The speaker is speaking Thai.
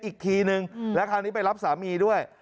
อีกทีนึงแล้วคราวนี้ไปรับสามีด้วย